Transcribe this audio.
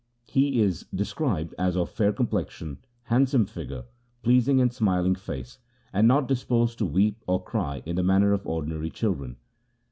He is described as of fair complexion, handsome figure, pleasing and smiling face, and not disposed to weep or cry in the manner of ordinary children.